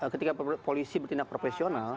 ketika polisi bertindak profesional